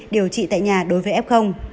điều trị tại nhà đối với f